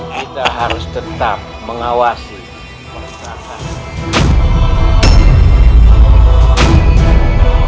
kita harus tetap mengawasi masyarakat